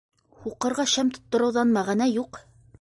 Һуҡырға шәм тоттороуҙан мәғәнә юҡ.